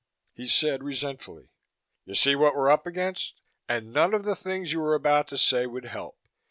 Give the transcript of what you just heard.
He said resentfully, "You see what we're up against? And none of the things you are about to say would help.